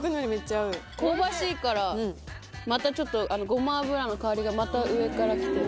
香ばしいからまたちょっとゴマ油の香りがまた上から来て。